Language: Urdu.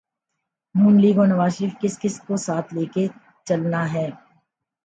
نون لیگ اور نوازشریف کس نے کس کو ساتھ لے کے چلنا ہے۔